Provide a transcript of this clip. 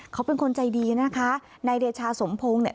เขาเป็นคนใจดีนะคะนายเดชาสมพงศ์เนี่ย